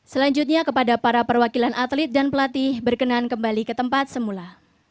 selanjutnya kepada para perwakilan atlet dan pelatih berkenan kembali ke tempat semula